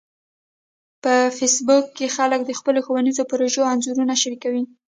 په فېسبوک کې خلک د خپلو ښوونیزو پروژو انځورونه شریکوي